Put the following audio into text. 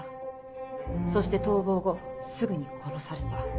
そして逃亡後すぐに殺された。